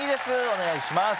お願いします